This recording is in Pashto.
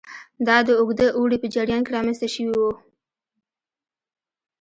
دا د اوږده اوړي په جریان کې رامنځته شوي وو